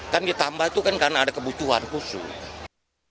kan ditambah itu kan karena ada kebutuhan khusus